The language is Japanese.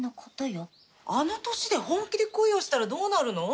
あの年で本気で恋をしたらどうなるの？